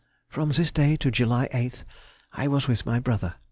_—From this day to July 8th I was with my brother.